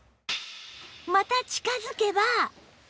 また近づけば